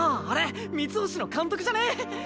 あれミツホシの監督じゃね？